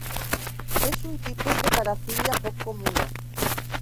És un tipus de parafília poc comuna.